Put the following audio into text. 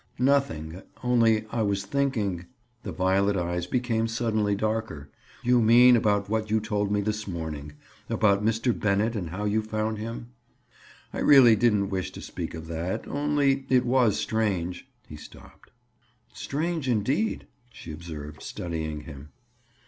"Nothing. Only I was thinking—" The violet eyes became suddenly darker. "You mean about what you told me this morning—about Mr. Bennett and how you found him—?" "I really didn't wish to speak of that, only it was strange—" He stopped. "Strange, indeed," she observed, studying him.